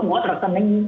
banyak kejampak kejampak